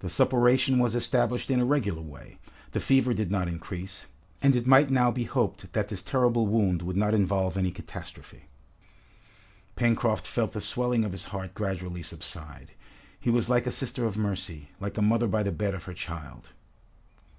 The suppuration was established in a regular way, the fever did not increase, and it might now be hoped that this terrible wound would not involve any catastrophe. Pencroft felt the swelling of his heart gradually subside. He was like a sister of mercy, like a mother by the bed of her child.